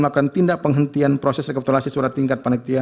maka selanjutnya akan dibacakan terhadap